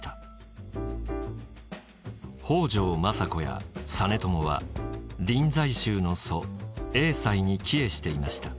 北条政子や実朝は臨済宗の祖栄西に帰依していました。